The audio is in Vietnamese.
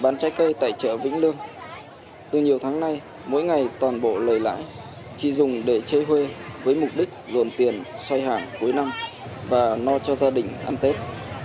từ nhiều tháng nay mỗi ngày toàn bộ lời lãi chị dùng để chơi huê với mục đích ruồn tiền xoay hàng cuối năm và no cho gia đình ăn tết